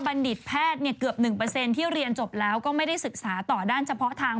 ดิตแพทย์เกือบ๑ที่เรียนจบแล้วก็ไม่ได้ศึกษาต่อด้านเฉพาะทาง